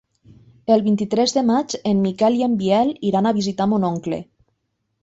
El vint-i-tres de maig en Miquel i en Biel iran a visitar mon oncle.